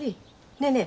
ねえねえ